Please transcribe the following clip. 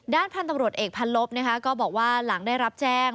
พันธุ์ตำรวจเอกพันลบก็บอกว่าหลังได้รับแจ้ง